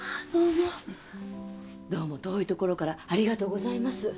どうも遠いところからありがとうございます。